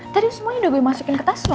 tadi semuanya udah gue masukin ke tas lo